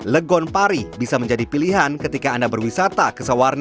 legon pari bisa menjadi pilihan ketika anda berwisata ke sawarna